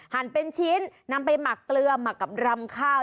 หั่นเป็นชิ้นนำไปหมักเกลือหมักกับรำข้าว